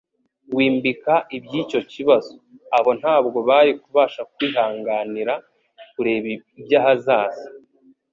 «wimbika iby'icyo kibazo. Abo ntabwo bari kubasha kwihanganira kureba iby'ahazaza,